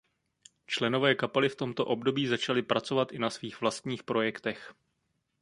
Členové kapely v tomto období začali pracovat i na svých vlastních projektech.